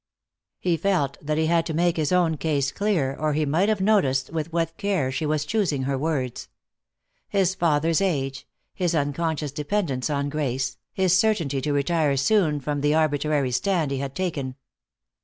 He felt that he had to make his own case clear, or he might have noticed with what care she was choosing her words. His father's age, his unconscious dependence on Grace, his certainty to retire soon from the arbitrary stand he had taken.